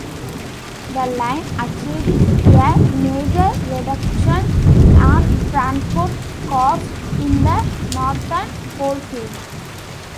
The line achieved a major reduction on transport costs in the northern coalfield.